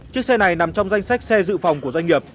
chiếc xe này nằm trong danh sách xe dự phòng của doanh nghiệp